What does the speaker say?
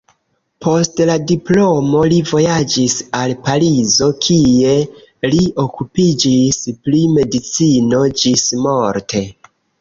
Post la diplomo li vojaĝis al Parizo, kie li okupiĝis pri medicino ĝismorte.